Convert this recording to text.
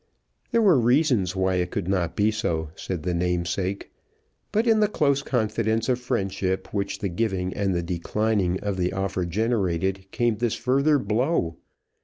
There were reasons why it could not be so, said the namesake; but in the close confidence of friendship which the giving and the declining of the offer generated came this further blow.